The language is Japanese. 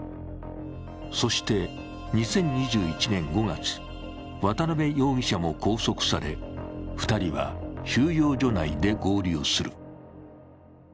そして２０２１年５月、渡辺容疑者も拘束され２人は収容所内で合流する。